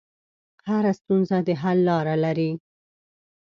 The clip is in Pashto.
هره ستونزه د حل لاره لري.